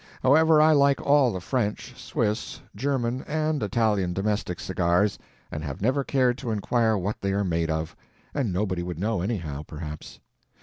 However, I like all the French, Swiss, German, and Italian domestic cigars, and have never cared to inquire what they are made of; and nobody would know, anyhow, perhaps.